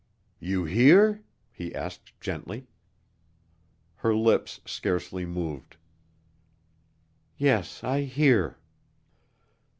"You hear?" he asked gently. Her lips scarcely moved. "Yes, I hear."